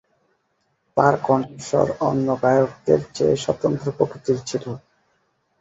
তার কণ্ঠস্বর অন্য গায়কদের চেয়ে স্বতন্ত্র প্রকৃতির ছিল।